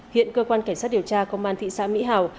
hiện cơ quan cảnh sát điều tra công an thị san mỹ hảo